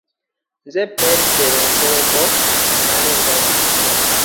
Nze Peetero Nsereko Male nga bulijjo.